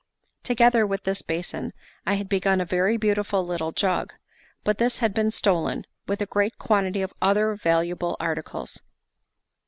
Together with this basin I had begun a very beautiful little jug; but this had been stolen, with a great quantity of other valuable articles.